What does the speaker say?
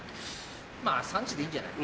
まぁ３時でいいんじゃない？